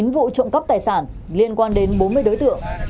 bốn mươi chín vụ trộm góp tài sản liên quan đến bốn mươi đối tượng